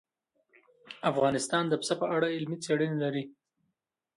افغانستان د پسه په اړه علمي څېړنې لري.